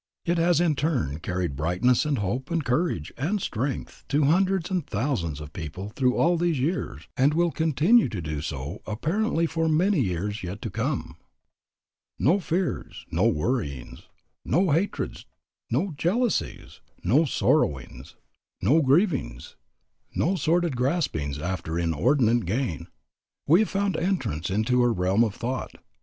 It has in turn carried brightness and hope and courage and strength to hundreds and thousands of people through all these years, and will continue to do so, apparently, for many years yet to come. No fears, no worryings, no hatreds, no jealousies, no sorrowings, no grievings, no sordid graspings after inordinant [Transcriber's note: inordinate?] gain, have found entrance into her realm of thought.